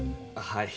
はい。